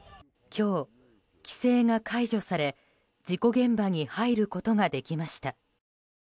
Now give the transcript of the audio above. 今日、規制が解除され事故現場に入ることができました。